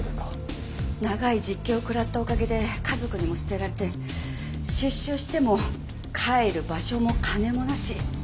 長い実刑を食らったおかげで家族にも捨てられて出所しても帰る場所も金もなし。